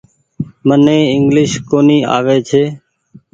مني انگليش ڪونيٚ آوي ڇي۔